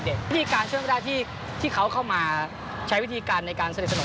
พิธีการช่วยไม่ได้ที่เขาเข้ามาใช้พิธีการในการเสร็จสนุน